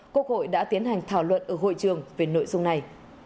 quốc hội đã tiến hành thảo luận ở hội trường về nội dung này